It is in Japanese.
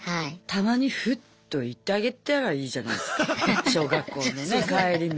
たまにフッと行ってあげたらいいじゃないすか小学校のね帰り道。